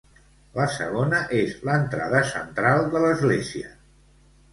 La segona és l'entrada central de l'església.